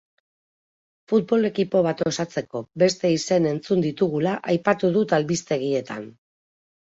Futbol ekipo bat osatzeko beste izen entzun ditugula, aipatu dut albistegietan.